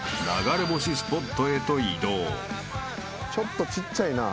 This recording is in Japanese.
ちょっとちっちゃいなぁ。